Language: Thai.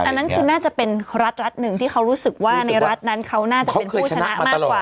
อันนั้นคือน่าจะเป็นรัฐรัฐหนึ่งที่เขารู้สึกว่าในรัฐนั้นเขาน่าจะเป็นผู้ชนะมากกว่า